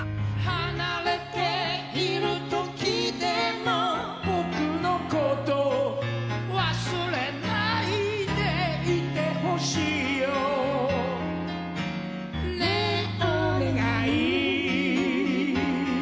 離れている時でもぼくのこと忘れないでいてほしいよねぇおねがい